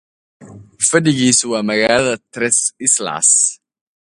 Its seat is the town of Tres Islas.